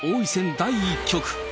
第１局。